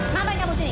ngapain kamu disini